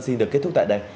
xin được kết thúc tại đây